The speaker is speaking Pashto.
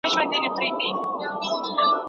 او بیا دې څنډ وهل دا تور ورېښم مخ ښکته